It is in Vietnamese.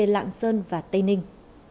lạng sơn và tây ninh